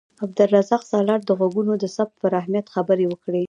عبدالرزاق سالار د غږونو د ثبت پر اهمیت خبرې وکړې.